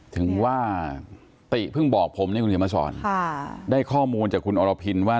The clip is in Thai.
ถึงว่าตี๋เพิ่งบอกผมได้ข้อมูลจากคุณอรพินว่า